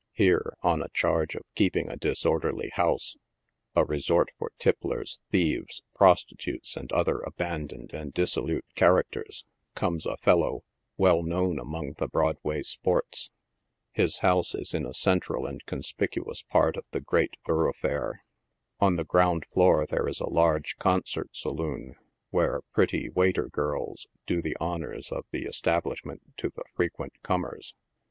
Here, on a charge of keeping a disorderly house —" a resort for tipplers, thieves, prostitutes, and other aban doned and dissolute characters" — comes a fellow well known among the Broadway " sports." His house is in a central and conspicuous part of the great thoroughfare. On the ground floor there is a large concert saloon, where " pretty waiter girls" do the honors of the es tablishment to the frequent comers.